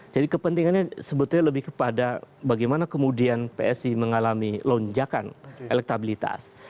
jadi kepentingannya sebetulnya lebih kepada bagaimana kemudian psi mengalami lonjakan elektabilitas